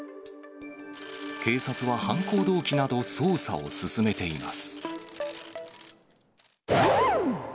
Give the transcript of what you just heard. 警察は犯行動機など捜査を進めています。